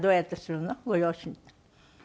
ご両親と。